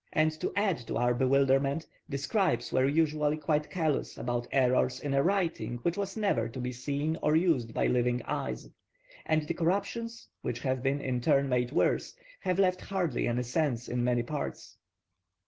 And to add to our bewilderment, the scribes were usually quite callous about errors in a writing which was never to be seen or used by living eyes; and the corruptions, which have been in turn made worse, have left hardly any sense in many parts.